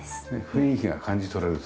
雰囲気が感じ取れる。